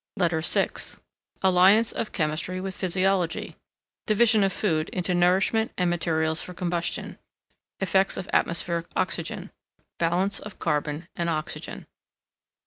LETTER VI ALLIANCE OF CHEMISTRY WITH PHYSIOLOGY. Division of Food into nourishment, and materials for combustion. Effects of Atmospheric Oxygen. Balance of CARBON and OXYGEN.